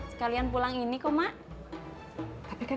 sekalian pulang ini kok mak